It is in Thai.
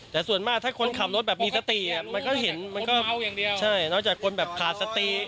แต่ส่วนมากถ้าคนขับรถแบบมีสติมันก็เห็นมันก็ใช่นอกจากคนแบบขาดสติ